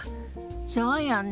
そうよね。